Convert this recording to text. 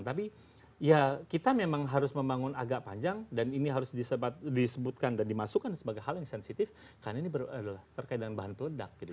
tapi ya kita memang harus membangun agak panjang dan ini harus disebutkan dan dimasukkan sebagai hal yang sensitif karena ini adalah terkait dengan bahan peledak